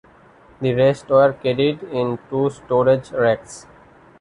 The rest were carried in two storage racks.